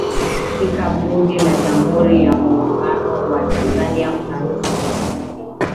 ika bunge la jamhuri ya muungano wa tanzania unaweza ukasemaje